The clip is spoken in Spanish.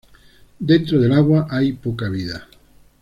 Dentro del agua hay poca vida.